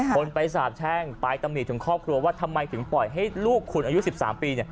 คนไปสาบแช่งไปตำหนิถึงครอบครัวว่าทำไมถึงปล่อยให้ลูกคุณอายุ๑๓ปี